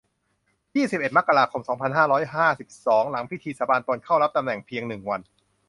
ยี่สิบเอ็ด มกราคม สองพันห้าร้อยห้าสิบสอง หลังพิธีสาบานตนเข้ารับตำแหน่งเพียง หนึ่ง วัน